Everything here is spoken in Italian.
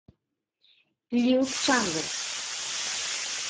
Luke Chambers